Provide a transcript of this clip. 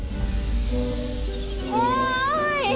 おい！